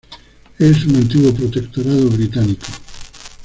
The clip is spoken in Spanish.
Es un antiguo protectorado británico.